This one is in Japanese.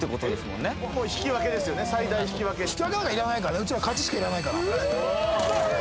もうひきわけですよね最大ひきわけひきわけなんていらないからねうちは勝ちしかいらないから・フウ